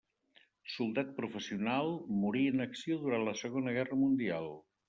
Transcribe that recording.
Soldat professional, morí en acció durant la Segona Guerra Mundial.